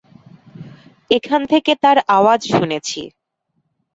এখান থেকে তার আওয়াজ শুনেছি।